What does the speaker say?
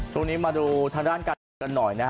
ช่วงนี้มาดูธรรณการกัยกันหน่อย